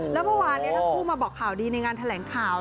แล้วเมื่อวานนี้ทั้งคู่มาบอกข่าวดีในงานแถลงข่าว